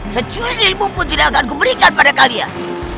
secur ilmu pun tidak akan kuberikan pada kalian